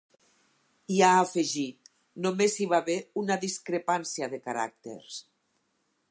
I ha afegit: ‘Només hi va haver una discrepància de caràcters’.